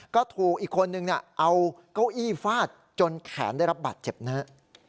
ก็ถูกอีกคนนึงเอาเก้าอี้ฟาดจนแขนได้รับบาดเจ็บนะฮะ